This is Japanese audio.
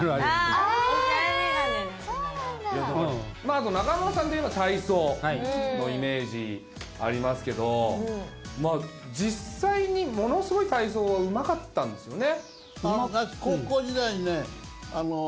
あと仲本さんといえば体操のイメージありますけどまあ実際にものすごい体操はうまかったんですよね？